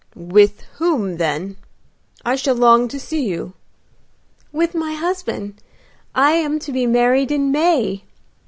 "With whom then? I shall long to see you." "With my husband. I am to be married in May."